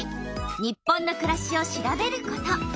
「日本のくらし」を調べること。